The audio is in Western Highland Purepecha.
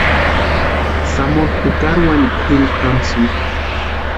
Zamora jukari wanikwa kwʼiripu jamasïnti.